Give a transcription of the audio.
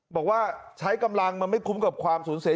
บอกว่าใช้กำลังมันไม่คุ้มกับความสูญเสีย